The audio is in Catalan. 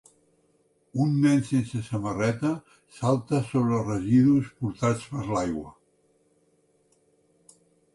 Un nen sense samarreta salta sobre els residus portats per l'aigua.